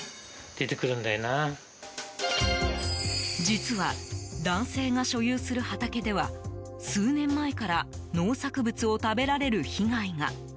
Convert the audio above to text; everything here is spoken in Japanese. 実は、男性が所有する畑では数年前から農作物を食べられる被害が。